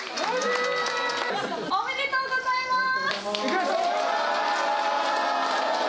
おめでとうございます。